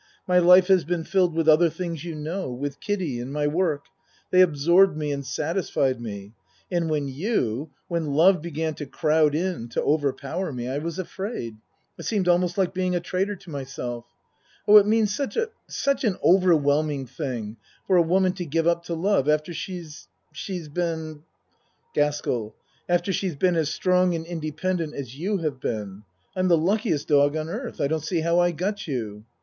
My life has been filled with other things you know with Kiddie and my work. They absorbed me and satisfied me; and when you when love began to crowd in to overpower me I was afraid. It seemed almost like being a traitor to myself. Oh, it means such a such an overwhelming thing for a woman to give up to love after she's she's been GASKELL After she's been as strong and inde pendent as you have been. I'm the luckiest dog on earth. I don't see how I got you.